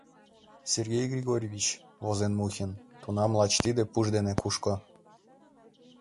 «Сергей Григорьевич, — возен Мухин, — тунам лач тиде пуш дене кушко.